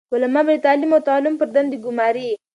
علماء به د تعليم او تعلم پر دندي ګماري،